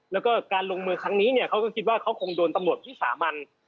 แล้วก็การลงมือครั้งนี้เนี่ยเขาก็คิดว่าเขาคงโดนตำรวจวิสามัน